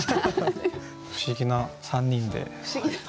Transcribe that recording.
不思議な３人で。